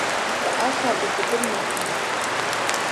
li axa bi zibil mezin dibin.